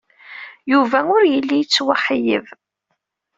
Yuba ur yelli yettwaxeyyeb.